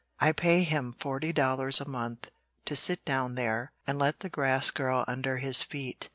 I pay him forty dollars a month to sit down there and let the grass grow under his feet.